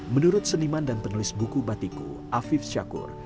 menurut seniman dan penulis buku batiku afif syakur